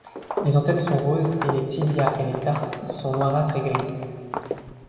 Les antennes sont roses et les tibias et les tarses sont noirâtres et gris.